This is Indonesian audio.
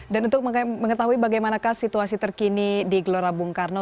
dan untuk mengetahui bagaimanakah situasi terkini di gelora bung karno